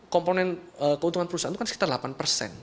komponen keuntungan perusahaan itu kan sekitar delapan persen